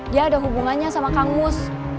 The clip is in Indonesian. dia ada hubungannya sama kang mus